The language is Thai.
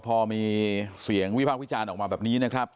พอมีเสียงวิพากษ์วิจารณ์ออกมาแบบนี้นะครับ